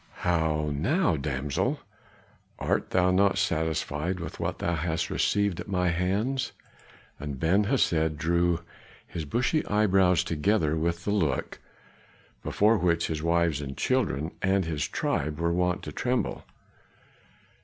"How now, damsel, art thou not satisfied with what thou hast received at my hands?" and Ben Hesed drew his bushy brows together with the look before which his wives, his children and his tribe were wont to tremble.